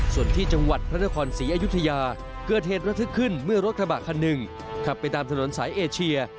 ส่วนที่จังหวัดพระนครศรีอยุธยาเกิดเหตุระทึกขึ้นเมื่อรถกระบะคันหนึ่งขับไปตามถนนสายเอเชีย